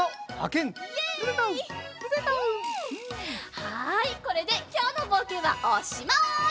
はいこれできょうのぼうけんはおしまい！